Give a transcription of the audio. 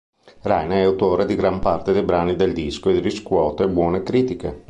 Raina è autore di gran parte dei brani del disco e riscuote buone critiche.